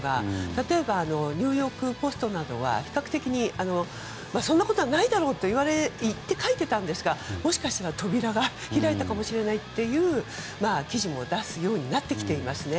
例えばニューヨーク・ポストなどは比較的、そんなことはないだろうと書いていたんですがもしかしたら扉が開いたかもしれないという記事も出すようになってきていますね。